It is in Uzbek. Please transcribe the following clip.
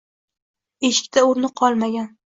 Eshikda o`rin qolmagan